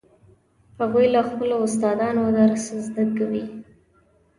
هغوی له خپلو استادانو درس زده کوي